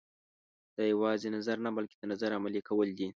دا یوازې نظر نه بلکې د نظر عملي کول دي.